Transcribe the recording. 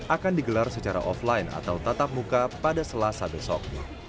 akan digelar secara offline atau tatap muka pada selasa besok